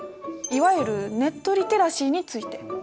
いわゆるネットリテラシーについて。